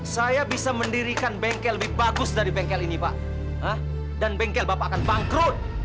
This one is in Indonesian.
saya bisa mendirikan bengkel lebih bagus dari bengkel ini pak dan bengkel bapak akan bangkrut